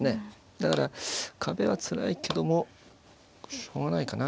だから壁はつらいけどもしょうがないかな。